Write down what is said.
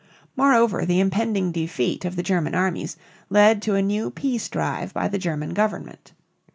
Moreover, the impending defeat of the German armies led to a new peace drive by the German government.